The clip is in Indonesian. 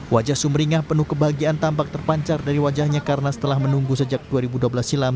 wajah sumringah penuh kebahagiaan tampak terpancar dari wajahnya karena setelah menunggu sejak dua ribu dua belas silam